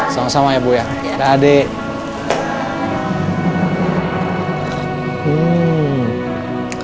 sama sama ya bu ya